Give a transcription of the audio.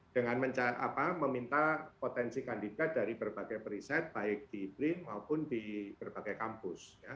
dengan meminta potensi kandidat dari berbagai periset baik di brin maupun di berbagai kampus